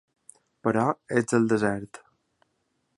Però ets al desert.